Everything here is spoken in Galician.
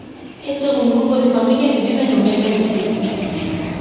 É todo un grupo de familia que viven no mesmo edificio.